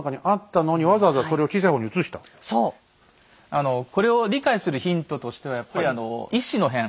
あのこれを理解するヒントとしてはやっぱり乙巳の変。